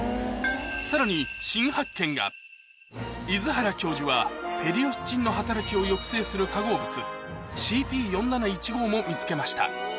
さらに新発見が出原教授はペリオスチンの働きを抑制する化合物ＣＰ４７１５も見つけました